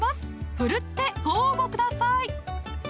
奮ってご応募ください